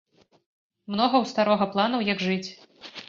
Многа ў старога планаў, як жыць.